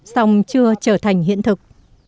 song chưa trở thành hiện thực